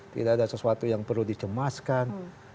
tidak ada sesuatu yang perlu dicemaskan